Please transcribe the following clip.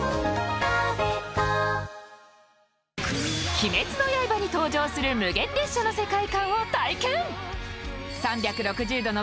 「鬼滅の刃」に登場する無限列車の世界観を体験。